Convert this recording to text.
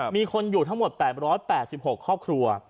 มีคนอยู่ทั้งหมด๘๘๖ครอบครัว